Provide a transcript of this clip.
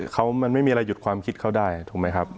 เขามันไม่มีอะไรหยุดความคิดเขาได้ถูกไหมครับ